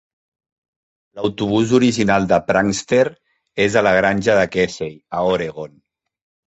L'autobús original de Prankster és a la granja de Kesey, a Oregon.